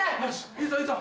いいぞいいぞ。